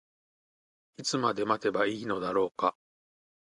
いつまで待てばいいのだろうか。